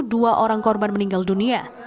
dua orang korban meninggal dunia